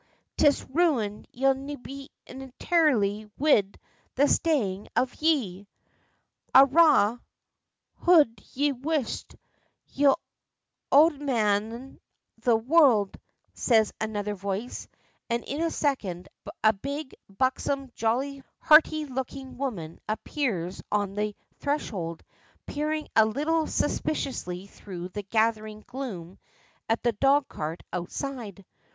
'Tis ruined ye'll be intirely wid the stayin' of ye!" "Arrah, hould yer whisht, y'omadhaun o' the world," says another voice, and in a second a big, buxom, jolly, hearty looking woman appears on the threshold, peering a little suspiciously through the gathering gloom at the dog cart outside.